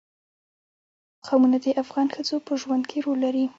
قومونه د افغان ښځو په ژوند کې رول لري.